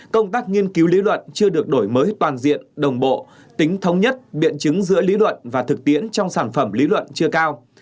công tác nghiên cứu lý luận chưa được đổi mới toàn diện đồng bộ tính thống nhất biện chứng giữa lý luận và thực tiễn trong sản phẩm lý luận chưa cao